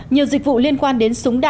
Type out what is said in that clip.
nhiều dịch vụ liên quan đến súng đạn